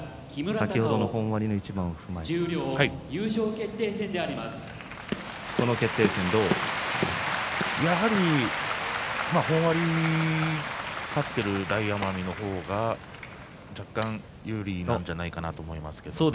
先ほどの本割の一番踏まえてこの決定戦どうご覧になりますか。本割で勝っている大奄美の方が若干有利なんじゃないかなと思います。